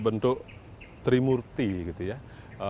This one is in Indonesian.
bentuk trimurti gitu ya